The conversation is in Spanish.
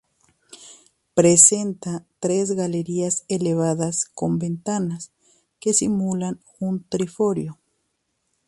Presenta tres galerías elevadas con ventanas, que simulan un triforio.